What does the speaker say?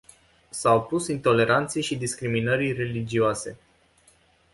S-a opus intoleranței și discriminării religioase.